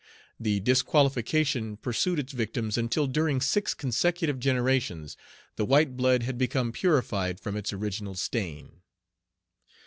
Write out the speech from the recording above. The disqualification pursued its victims until during six consecutive generations the white blood had become purified from its original stain.